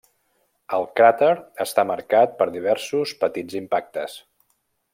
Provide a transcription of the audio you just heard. El cràter està marcat per diversos petits impactes.